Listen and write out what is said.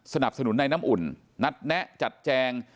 สนับสนุนในน้ำอุ่นนัดแนะจัดแจง